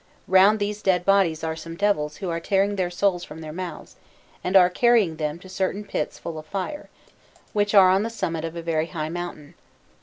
Round these dead bodies are some devils who are tearing their souls from their mouths, and are carrying them to certain pits full of fire, which are on the summit of a very high mountain.